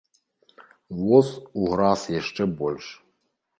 Воз уграз яшчэ больш.